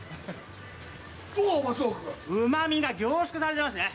うま味が凝縮されてますね。